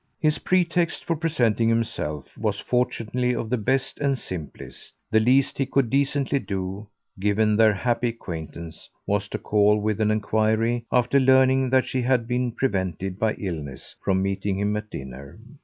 His pretext for presenting himself was fortunately of the best and simplest; the least he could decently do, given their happy acquaintance, was to call with an enquiry after learning that she had been prevented by illness from meeting him at dinner.